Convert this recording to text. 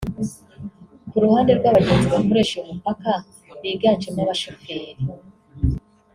Ku ruhande rw’abagenzi bakoresha uyu mupaka biganjemo abashoferi